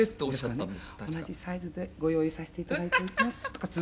“同じサイズでご用意させていただいております”とか」